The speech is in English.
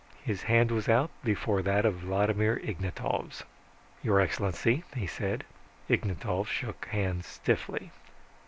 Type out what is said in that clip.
His hand was out before that of Vladimir Ignatov's. "Your Excellency," he said. Ignatov shook hands stiffly.